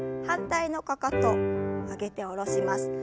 反対のかかと上げて下ろします。